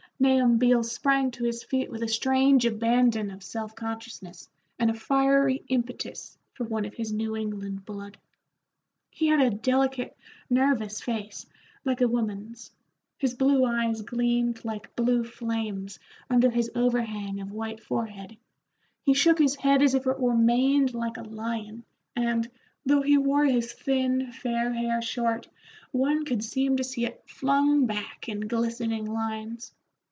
Nahum Beals sprang to his feet with a strange abandon of self consciousness and a fiery impetus for one of his New England blood. He had a delicate, nervous face, like a woman's, his blue eyes gleamed like blue flames under his overhang of white forehead, he shook his head as if it were maned like a lion, and, though he wore his thin, fair hair short, one could seem to see it flung back in glistening lines.